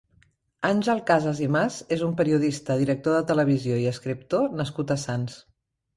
Àngel Casas i Mas és un periodista, director de televisió i escriptor nascut a Sants.